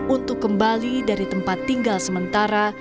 untuk kembali dari tempat tinggal sementara